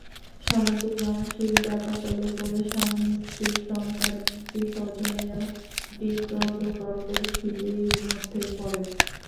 সামাজিক মানসিক জাঁতাকলে পড়ে স্বামী-স্ত্রী, সন্তান এমনকি স্বজনেরাও বিব্রতকর পরিস্থিতির মধ্যে পড়েন।